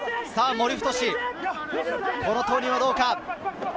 森太志、この投入はどうか。